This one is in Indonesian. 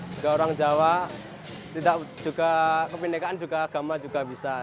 juga orang jawa juga kebenekaan juga agama juga bisa